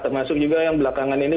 termasuk juga yang belakangan ini